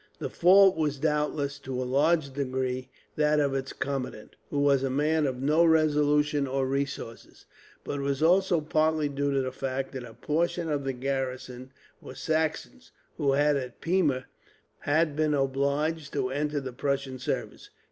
The fault was doubtless, to a large degree, that of its commandant, who was a man of no resolution or resources; but it was also partly due to the fact that a portion of the garrison were Saxons, who had at Pirna been obliged to enter the Prussian service.